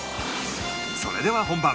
それでは本番